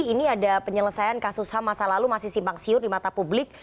ini ada penyelesaian kasus ham masa lalu masih simpang siur di mata publik